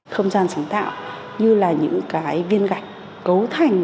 không gian sáng tạo như là những cái viên gạch cấu thành